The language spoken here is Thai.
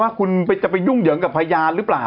ว่าคุณจะไปยุ่งเหยิงกับพยานหรือเปล่า